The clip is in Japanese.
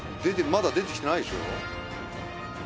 まだ出てきてないでしょう？